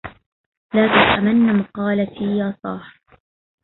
لا تسأمن مقالتي يا صاح